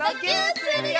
するよ！